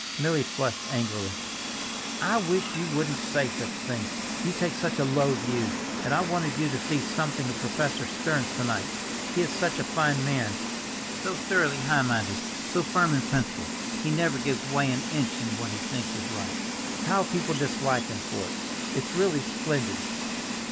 Milly flushed angrily. "I wish you wouldn't say such things—you take such a low view! And I wanted you to see something of Professor Stearns to night, he is such a fine man, so thoroughly high minded, so firm in principle, he never gives way an inch in what he thinks is right. How people dislike him for it! It's really splendid."